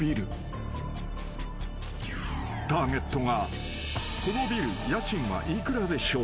［ターゲットが「このビル家賃は幾らでしょう？」